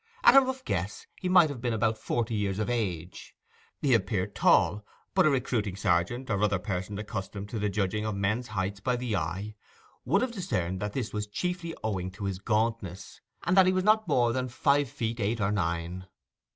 At a rough guess, he might have been about forty years of age. He appeared tall, but a recruiting sergeant, or other person accustomed to the judging of men's heights by the eye, would have discerned that this was chiefly owing to his gauntness, and that he was not more than five feet eight or nine.